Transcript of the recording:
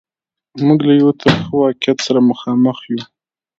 موږ له یوه ترخه واقعیت سره مخامخ یو.